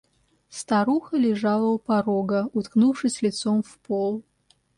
Старуха лежала у порога, уткнувшись лицом в пол.